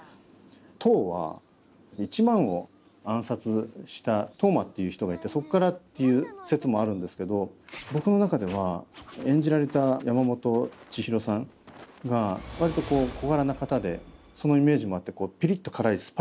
トウは一幡を暗殺した藤馬っていう人がいてそっからっていう説もあるんですけど僕の中では演じられた山本千尋さんが割とこう小柄な方でそのイメージもあってこうピリッと辛いスパイスみたいな感じ。